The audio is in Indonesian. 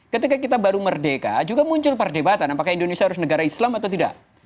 ketika kita baru merdeka juga muncul perdebatan apakah indonesia harus negara islam atau tidak